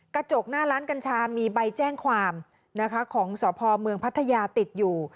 กระจกหน้าร้านกัญชามีใบแจ้งความนะคะของสพเมืองพัทยาติดอยู่